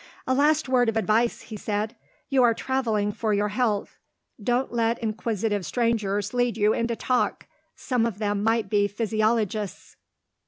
"A last word of advice," he said. "You are travelling for your health; don't let inquisitive strangers lead you into talk. Some of them might be physiologists."